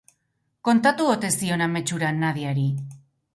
Kontatu ote zion amets hura Nadiari?